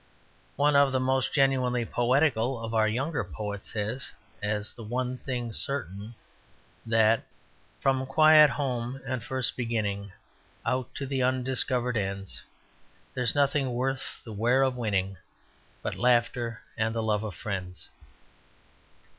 One of the most genuinely poetical of our younger poets says, as the one thing certain, that 'From quiet home and first beginning Out to the undiscovered ends There's nothing worth the wear of winning But laughter and the love of friends.'